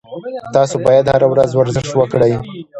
تاسو باید هر ورځ ورزش وکړئ